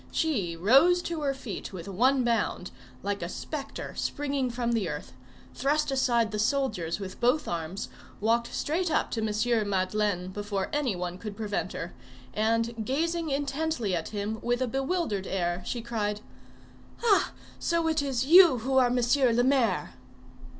She rose to her feet with one bound, like a spectre springing from the earth, thrust aside the soldiers with both arms, walked straight up to M. Madeleine before any one could prevent her, and gazing intently at him, with a bewildered air, she cried:— "Ah! so it is you who are M. le Maire!"